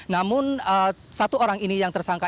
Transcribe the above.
namun satu orang ini yang tersangka